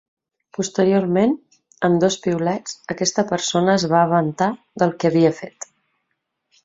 Posteriorment, en dos piulets aquesta persona es va vantar del que havia fet.